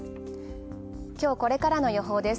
きょう、これからの予報です。